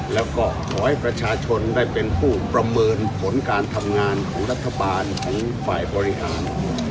แล้วก็ขอให้ประชาชนได้เป็นผู้ประเมินผลการทำงานของรัฐบาลของฝ่ายบริหาร